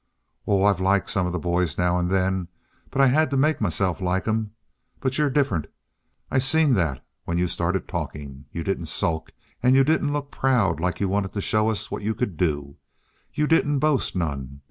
"Oh, I've liked some of the boys now and then; but I had to make myself like 'em. But you're different. I seen that when you started talking. You didn't sulk; and you didn't look proud like you wanted to show us what you could do; and you didn't boast none.